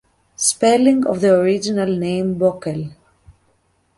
Spelling of the original name: “Bokel”.